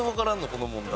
この問題。